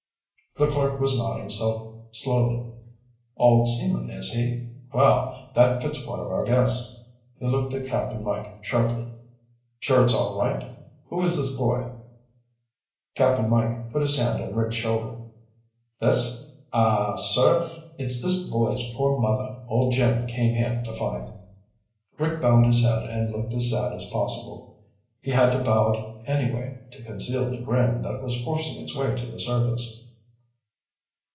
The clerk was nodding slowly. "Old seaman, is he? Well, that fits one of our guests." He looked at Cap'n Mike sharply. "Sure it's all right? Who is this boy?" Cap'n Mike put his hand on Rick's shoulder. "This? Ah, sir, it's this boy's poor mother old Jim came here to find." Rick bowed his head and looked as sad as possible. He had to bow it anyway, to conceal the grin that was forcing its way to the surface.